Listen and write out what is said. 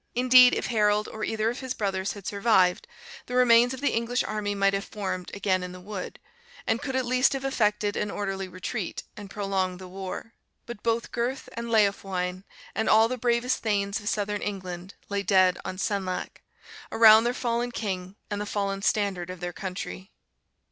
Indeed, if Harold, or either of his brothers, had survived, the remains of the English army might have formed again in the wood, and could at least have effected an orderly retreat, and prolonged the war. But both Gurth and Leofwine, and all the bravest thanes of Southern England, lay dead on Senlac, around their fallen king and the fallen standard of their country.